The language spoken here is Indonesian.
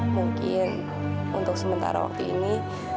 mungkin untuk sementara waktu ini